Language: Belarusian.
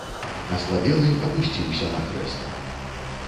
Аслабелы апусціўся на крэсла.